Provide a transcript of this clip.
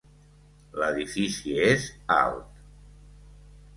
L'edifici és alt.